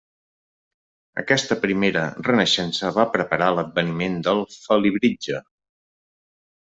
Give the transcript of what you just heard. Aquesta primera renaixença va preparar l'adveniment del Felibritge.